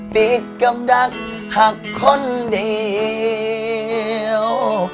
ติดกับดักหักคนเดียว